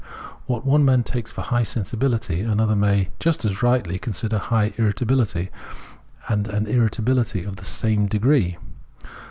What one man takes for high sensibiHty, another may just as rightly consider high irritability, and an irritabihty of the same degree.